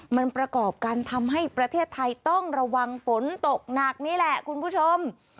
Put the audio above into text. มันประกอบกันทำให้ประเทศไทยต้องระวังฝนตกหนักนี่แหละคุณผู้ชม